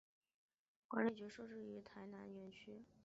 管理局设于台南园区。